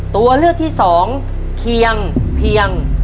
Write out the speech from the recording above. ตัวเลือกที่สองเคียงเพียง